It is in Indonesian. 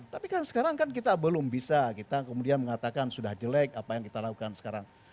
tapi kan sekarang kan kita belum bisa kita kemudian mengatakan sudah jelek apa yang kita lakukan sekarang